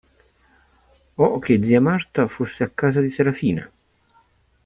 O che zia Marta fosse a casa di Serafina.